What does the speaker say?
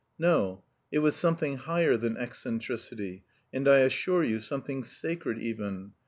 "No, it was something higher than eccentricity, and I assure you, something sacred even!